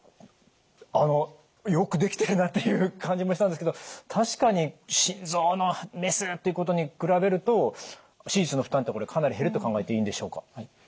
あのよくできてるなという感じもしたんですけど確かに心臓のメスということに比べると手術の負担ってこれかなり減ると考えていいんでしょうか？